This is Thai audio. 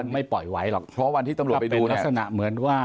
ไม่ปล่อยไว้หรอกเพราะวันที่ตำรวจไปดูลักษณะเหมือนว่า